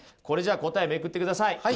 これじゃあ答えめくってください。